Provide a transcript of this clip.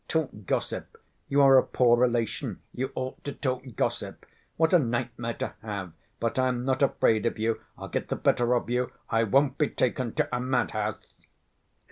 Talk gossip, you are a poor relation, you ought to talk gossip. What a nightmare to have! But I am not afraid of you. I'll get the better of you. I won't be taken to a mad‐house!"